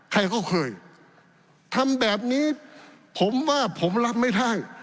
ใครก็เคยทำแบบนี้ผมว่าผมรับไม่ได้